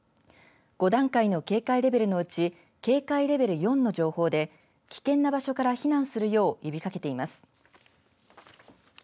５段階の警戒レベルのうち警戒レベル４の情報で危険な場所から避難するよう呼びかけています。